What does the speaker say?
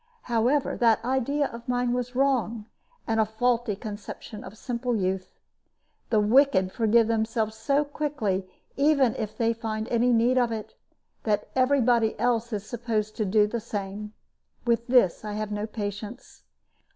However, that idea of mine was wrong, and a faulty conception of simple youth. The wicked forgive themselves so quickly, if even they find any need of it, that every body else is supposed to do the same. With this I have no patience.